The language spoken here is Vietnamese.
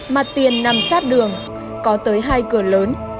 mặt tiền nằm sát đường có tới hai cửa lớn